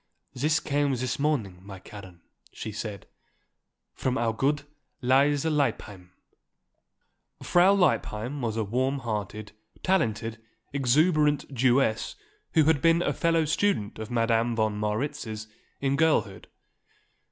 "This came this morning, my Karen," she said. "From our good Lise Lippheim." Frau Lippheim was a warm hearted, talented, exuberant Jewess who had been a fellow student of Madame von Marwitz's in girlhood.